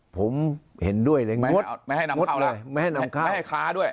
ผมเห็นด้วยเลยงดไม่ให้นำเข้าไม่ให้ค้าด้วย